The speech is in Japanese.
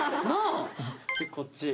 でこっち。